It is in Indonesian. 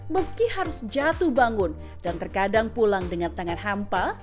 meski harus jatuh bangun dan terkadang pulang dengan tangan hampa